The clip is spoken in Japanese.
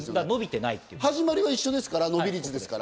始まりは一緒ですから、伸び率ですから。